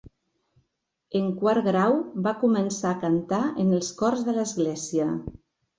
En quart grau, va començar a cantar en els cors d'església.